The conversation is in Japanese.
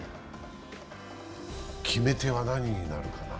決め手は何になるかな？